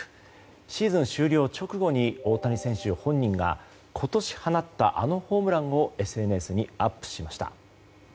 シーズン終了直後に大谷選手本人が今年放ったあのホームランをＳＮＳにアップしました。